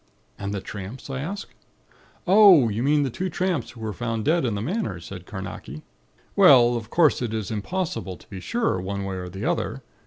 "And the tramps?" I asked. "Oh, you mean the two tramps who were found dead in the Manor," said Carnacki. "Well, of course it is impossible to be sure, one way or the other.